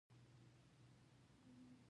لکه ذات دی له آفته په امان ستا په پښتو ژبه.